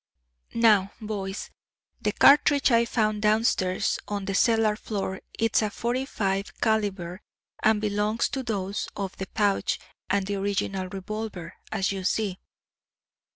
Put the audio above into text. "Now, boys, the cartridge I found downstairs on the cellar floor is a 45 calibre and belongs to those of the pouch and the original revolver, as you see."